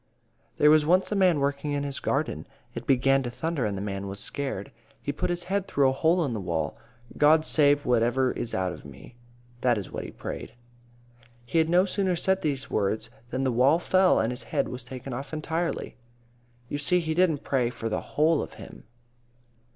"There was once a man working in his garden. It began to thunder, and the man was scared. He put his head through a hole in the wall. 'God save whativer is out of me.' That is what he prayed. "He had no sooner said those words than the wall fell and his head was taken off entirely. "You see, he didn't pray for the whole of him.